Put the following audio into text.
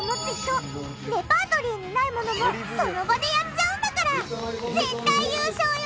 レパートリーにないものもその場でやっちゃうんだから絶対優勝よ！